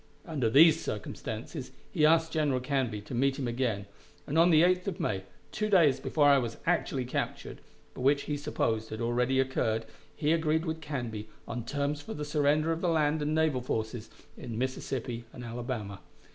Under these circumstances he asked General Canby to meet him again, and on the 8th of May, two days before I was actually captured, but which he supposed had already occurred, he agreed with Canby on terms for the surrender of the land and naval forces in Mississippi and Alabama.